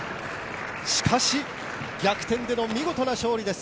しかし、逆転での見事な勝利です。